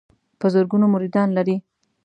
په زرګونو مریدان لري.